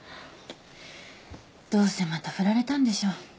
どうせまた振られたんでしょ。